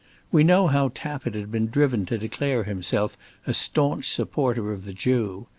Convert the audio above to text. We know how Tappitt had been driven to declare himself a stanch supporter of the Jew.